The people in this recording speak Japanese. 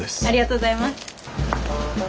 ありがとうございます。